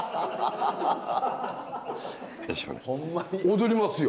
踊りますよ。